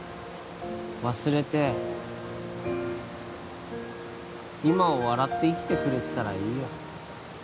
忘れて今を笑って生きてくれてたらいいよ